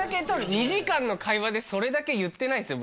２時間の会話でそれだけ言ってないですよ